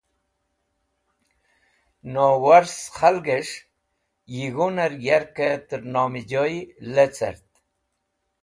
Nonẽwac khalges̃h yig̃hunẽr yarkẽ tẽrnomẽjoy lecẽrt.